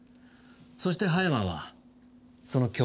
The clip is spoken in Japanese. そして葉山はその共犯だ。